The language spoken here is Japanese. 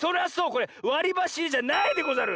これわりばしいれじゃないでござる！